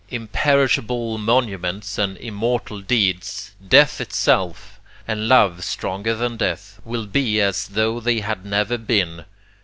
'Imperishable monuments' and 'immortal deeds,' death itself, and love stronger than death, will be as though they had never been.